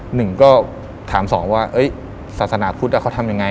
หนึ่งก็ถามสองว่าศาสนาพุทธเขาทำยังไง